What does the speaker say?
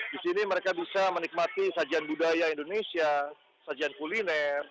di sini mereka bisa menikmati sajian budaya indonesia sajian kuliner